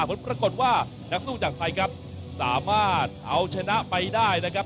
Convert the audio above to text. ผลปรากฏว่านักสู้จากไทยครับสามารถเอาชนะไปได้นะครับ